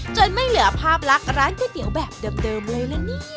ไม่เหลือภาพลักษณ์ร้านก๋วยเตี๋ยวแบบเดิมเลยละนี่